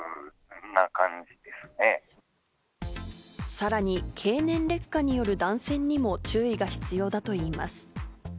さらに経年劣化による断線にも注意が必要だといいます。